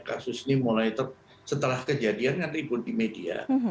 kasus ini mulai setelah kejadian nanti pun di media